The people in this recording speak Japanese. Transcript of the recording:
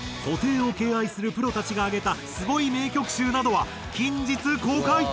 布袋を敬愛するプロたちが挙げたすごい名曲集などは近日公開。